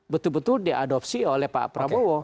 betul betul diadopsi oleh pak prabowo